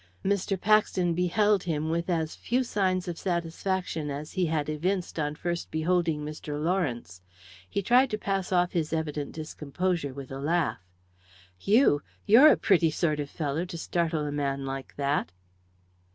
Mr. Paxton beheld him with as few signs of satisfaction as he had evinced on first beholding Mr. Lawrence. He tried to pass off his evident discomposure with a laugh. "You! You're a pretty sort of fellow to startle a man like that!"